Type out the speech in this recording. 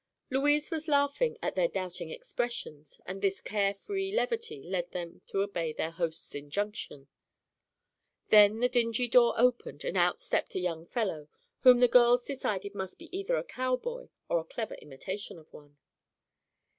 Louise was laughing at their doubting expressions and this care free levity led them to obey their host's injunction. Then the dingy door opened and out stepped a young fellow whom the girls decided must be either a cowboy or a clever imitation of one.